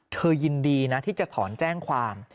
ยินดีนะที่จะถอนแจ้งความ